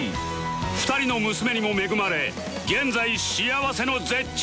２人の娘にも恵まれ現在幸せの絶頂期